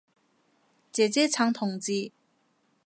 姐姐撐同志